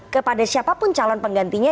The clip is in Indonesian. kepada siapapun calon penggantinya